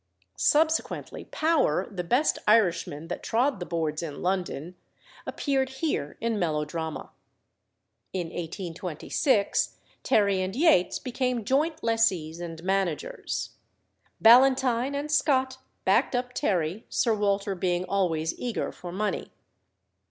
Subsequently Power, the best Irishman that trod the boards in London, appeared here in melodrama. In 1826 Terry and Yates became joint lessees and managers. Ballantyne and Scott backed up Terry, Sir Walter being always eager for money.